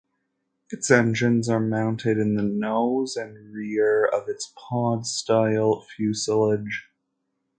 Its engines are mounted in the nose and rear of its pod-style fuselage.